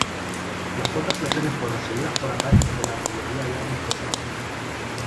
Las cuatro explosiones fueron seguidas por ataques de la artillería y de armas pesadas.